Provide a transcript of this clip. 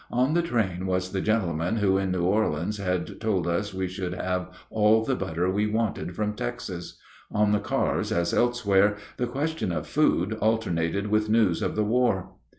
On the train was the gentleman who in New Orleans had told us we should have all the butter we wanted from Texas. On the cars, as elsewhere, the question of food alternated with news of the war.